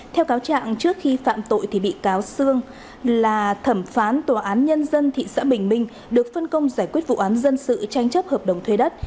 theo cáo trạng trước khi phạm tội thì bị cáo sương là thẩm phán tòa án nhân dân thị xã bình minh được phân công giải quyết vụ án dân sự tranh chấp hợp đồng thuê đất